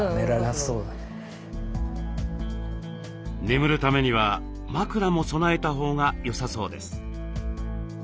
眠るためには枕も備えたほうがよさそうです。